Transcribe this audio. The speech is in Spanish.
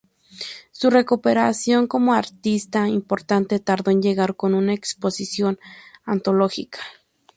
Su recuperación como artista importante tardó en llegar, con una exposición antológica.